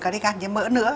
các đi gan như mỡ nữa